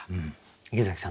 池崎さん